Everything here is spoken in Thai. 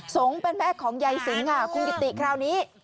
สงฆ์เป็นแม่ของยายสิงค่ะคุณกิติคราวนี้